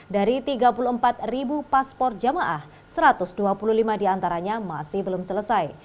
dari tiga puluh empat ribu paspor jamaah satu ratus dua puluh lima diantaranya masih belum selesai